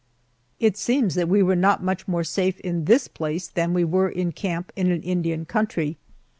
It seems that we are not much more safe in this place than we were in camp in an Indian country.